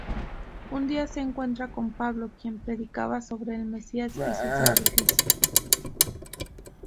Un día, se encuentra con Pablo, quien predicaba sobre el Mesías y su sacrificio.